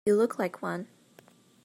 You look like one.